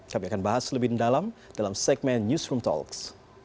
kami akan bahas lebih dalam dalam segmen newsroom talks